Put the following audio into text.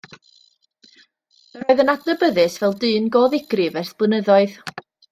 Yr oedd yn adnabyddus fel dyn go ddigrif ers blynyddoedd.